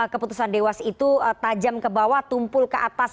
keputusan dewas itu tajam ke bawah tumpul ke atas